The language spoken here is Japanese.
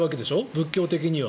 仏教的には。